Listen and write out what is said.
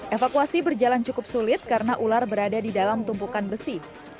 evakuasi berjalan cukup sulit karena ular berada di dalam tumpukan besi